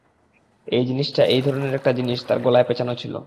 এই জিনিসটা এই ধরনের একটা জিনিস তার গলায় পেঁচানো ছিলো।